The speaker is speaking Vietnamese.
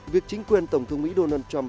việc chính quyền tổng thống mỹ donald trump